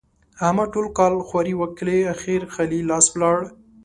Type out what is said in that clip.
احمد ټول کال خواري وکښلې؛ اخېر خالي لاس ولاړ.